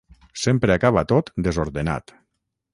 Sempre acaba tot desordenat.